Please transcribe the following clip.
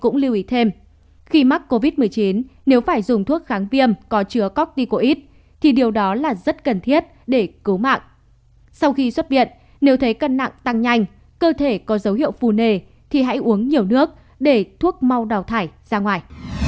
nếu thấy cân nặng tăng nhanh cơ thể có dấu hiệu phù nề thì hãy uống nhiều nước để thuốc mau đào thải ra ngoài